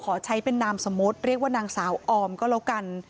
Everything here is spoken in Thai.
ขอใช้เป็นนามสมมติเรียกว่านางสาวออมก็แล้วกัน